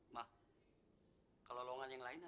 ma kalau lowongan yang lain ada